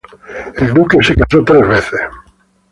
El duque se casó tres veces.